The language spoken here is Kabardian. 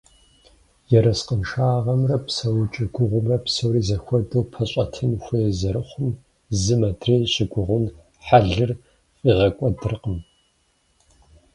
Ерыскъыншагъэмрэ псэукӏэ гугъумрэ псори зэхуэдэу пэщӏэтын хуей зэрыхъум зым адрейм щыгугъын хьэлыр фӏигъэкӏуэдыркъым.